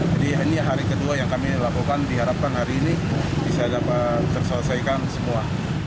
jadi ini hari kedua yang kami lakukan diharapkan hari ini bisa dapat terselesaikan semua